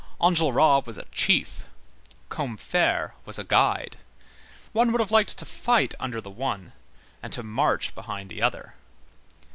Enjolras was a chief, Combeferre was a guide. One would have liked to fight under the one and to march behind the other.